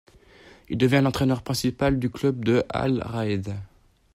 Il devient l'entraîneur principal du club de Al-Raed.